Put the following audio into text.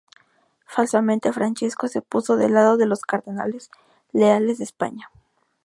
Falsamente, Francesco se puso de lado de los cardenales leales a España.